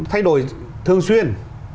nó thay đổi thường xuyên